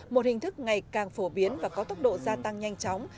một hình thức ngày càng phổ biến và có tốc độ gia tăng nhanh chóng